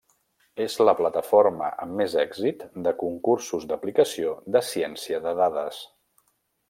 És la plataforma amb més èxit de concursos d'aplicació de ciència de dades.